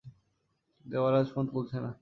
Devaraj phone তুলছে না।